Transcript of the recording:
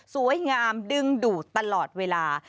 สวยงามดึงดูดตลอดเวลา